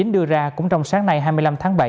đưa ra cũng trong sáng nay hai mươi năm tháng bảy